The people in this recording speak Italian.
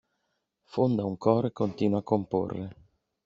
Fonda un coro e continua a comporre.